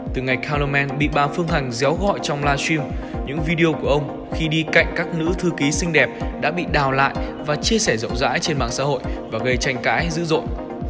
từ ngày color man bị bà phương thành déo gọi trong live stream những video của ông khi đi cạnh các nữ thư ký xinh đẹp đã bị đào lại và chia sẻ rộng rãi trên mạng xã hội và gây tranh cãi dữ dội